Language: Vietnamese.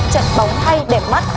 trận bóng hay đẹp mắt